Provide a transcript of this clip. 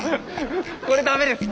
これ駄目ですって。